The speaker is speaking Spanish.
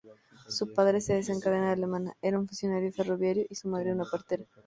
Su padre, de descendencia alemana, era un funcionario ferroviario, y su madre una partera.